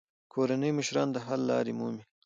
کورني مشران د حل لارې مومي.